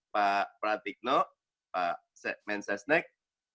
pak pratikno pak menses next